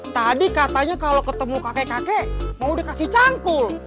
tadi katanya kalau ketemu kakek kakek mau dikasih cangkul